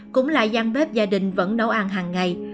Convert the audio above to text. cũng là gian bếp gia đình vẫn nấu ăn hàng ngày